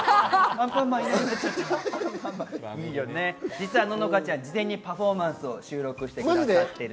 実は乃々佳ちゃん事前にパフォーマンスを収録してくれました。